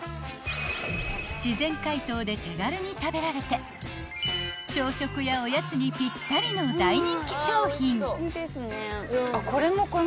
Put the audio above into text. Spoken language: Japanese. ［自然解凍で手軽に食べられて朝食やおやつにぴったりの大人気商品］